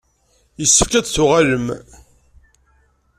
Yessefk ad d-tuɣalem.